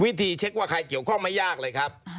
วิธีเช็คว่าใครเกี่ยวข้องไม่ยากเลยครับ